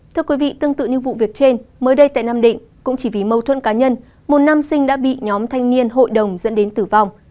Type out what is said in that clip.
thưa quý vị tương tự như vụ việc trên mới đây tại nam định cũng chỉ vì mâu thuẫn cá nhân một nam sinh đã bị nhóm thanh niên hội đồng dẫn đến tử vong